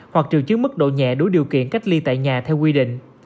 hoặc triệu chứng mức độ nhẹ đối với điều kiện cách ly tại nhà theo quy định